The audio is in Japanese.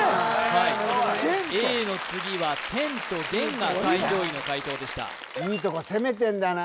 はい永の次は天と元がすごいな最上位の解答でしたいいとこ攻めてんだな